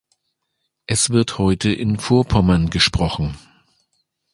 Es wird heute in Vorpommern gesprochen.